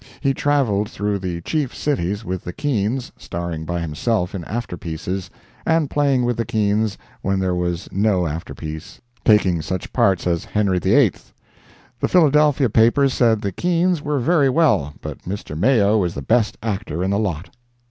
He traveled through the chief cities with the Keans, starring by himself in afterpieces, and playing with the Keans when there was no afterpiece—taking such parts as "Henry VIII." The Philadelphia papers said the Keans were very well, but Mr. Mayo was the best actor in the lot!